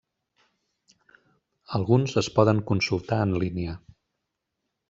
Alguns es poden consultar en línia.